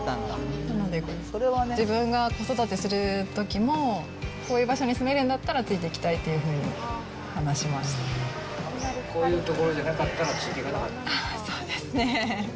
なので、自分が子育てするときも、こういう場所に住めるんだったらついていきたいっていうふうに話こういう所じゃなかったらつそうですね。